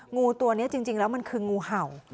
งูตัวนี้จริงแล้วมันคืองูเห่า